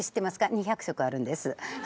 ２００色あるんです。